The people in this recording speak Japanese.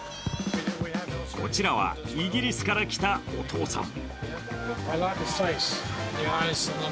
こちらは、イギリスから来たお父さん。